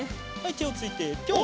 てをついてぴょん！